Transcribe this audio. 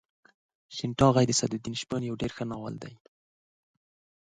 شین ټاغۍ د سعد الدین شپون یو ډېر ښایسته ناول دی.